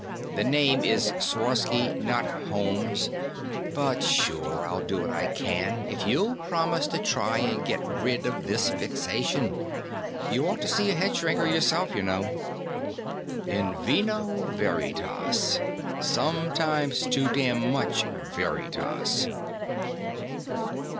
"The name is Sworsky, not Holmes. But sure, I'll do what I can, if you'll promise to try and get rid of this fixation. You ought to see a head shrinker yourself, you know." In vino veritas sometimes too damn much veritas.